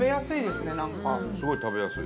すごい食べやすい。